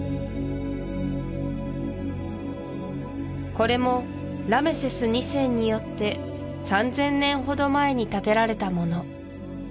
これもラメセス２世によって３０００年ほど前に建てられたもの